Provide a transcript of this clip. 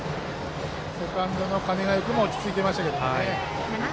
セカンドの鐘ヶ江君も落ち着いていましたね。